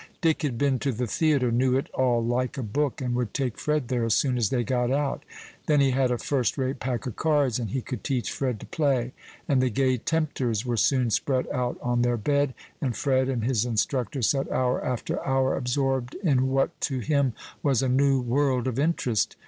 Dick had been to the theatre knew it all like a book, and would take Fred there as soon as they got out; then he had a first rate pack of cards, and he could teach Fred to play; and the gay tempters were soon spread out on their bed, and Fred and his instructor sat hour after hour absorbed in what to him was a new world of interest.